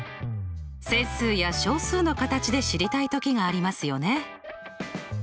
整数や小数の形で知りたい時がありますよね。